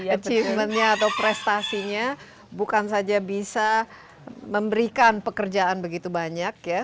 achievement nya atau prestasinya bukan saja bisa memberikan pekerjaan begitu banyak ya